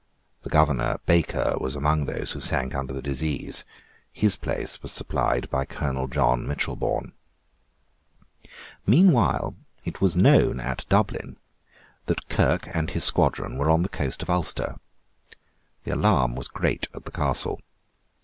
The Governor Baker was among those who sank under the disease. His place was supplied by Colonel John Mitchelburne, Meanwhile it was known at Dublin that Kirke and his squadron were on the coast of Ulster. The alarm was great at the Castle.